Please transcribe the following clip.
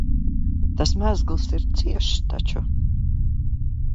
Tas mezgls ir ciešs taču.